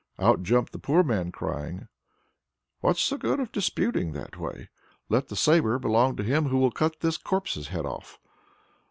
Out jumped the poor man, crying: "What's the good of disputing that way? Let the sabre belong to him who will cut this corpse's head off!"